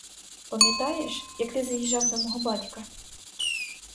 Пам'ятаєш, як ти заїжджав до мого батька?